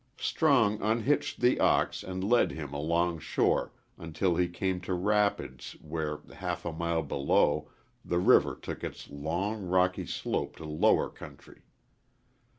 Strong unhitched the ox and led him along shore until he came to rapids where, half a mile below, the river took its long, rocky slope to lower country.